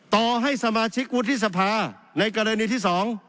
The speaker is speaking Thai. ต่อให้สมาชิกวุฒิสภาในกรณีที่๒